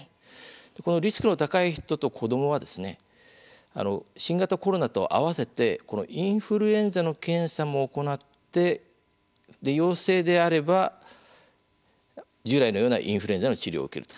このリスクの高い人と子どもは新型コロナと合わせてインフルエンザの検査も行って陽性であれば従来のようなインフルエンザの治療を受けると。